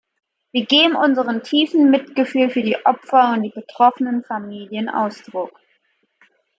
Wir geben unserem tiefen Mitgefühl für die Opfer und die betroffenen Familien Ausdruck.